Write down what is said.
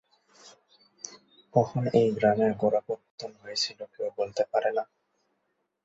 কখন এই গ্রামের গোড়াপত্তন হয়েছিল কেউ বলতে পারে না।